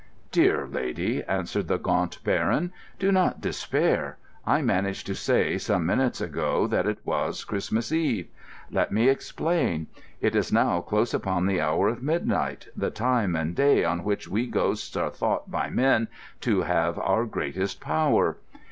"Dear lady," answered the Gaunt Baron, "do not despair. I managed to say, some minutes ago, that it was Christmas Eve. Let me explain. It is now close upon the hour of midnight—the time and day on which we ghosts are thought by men to have our greatest power.